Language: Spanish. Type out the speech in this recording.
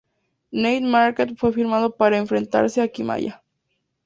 Nate Marquardt fue firmado para enfrentarse a Akiyama.